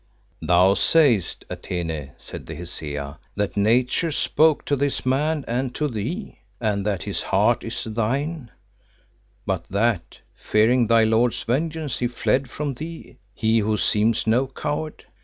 "Thou sayest, Atene," said the Hesea, "that Nature spoke to this man and to thee, and that his heart is thine; but that, fearing thy lord's vengeance, he fled from thee, he who seems no coward.